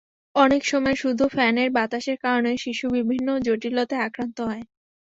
অনেক সময় শুধু ফ্যানের বাতাসের কারণে শিশু বিভিন্ন জটিলতায় আক্রান্ত হয়।